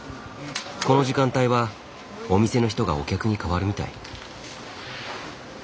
この時間帯はお店の人がお客に変わるみたい。